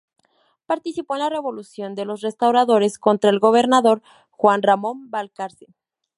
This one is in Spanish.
Participó en la Revolución de los Restauradores contra el gobernador Juan Ramón Balcarce.